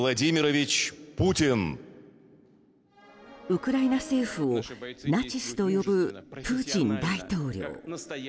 ウクライナ政府をナチスと呼ぶプーチン大統領。